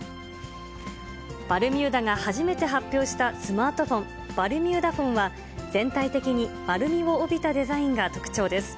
バルミューダが初めて発表したスマートフォン、バルミューダフォンは、全体的に丸みを帯びたデザインが特徴です。